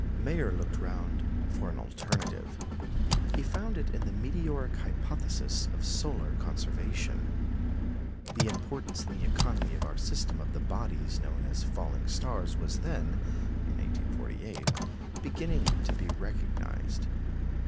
Mayer looked round for an alternative. He found it in the "meteoric hypothesis" of solar conservation. The importance in the economy of our system of the bodies known as falling stars was then (in 1848) beginning to be recognised.